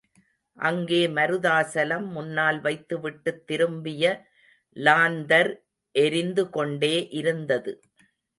அங்கே மருதாசலம் முன்னால் வைத்துவிட்டுத் திரும்பிய லாந்தர் எரிந்து கொண்டே இருந்தது.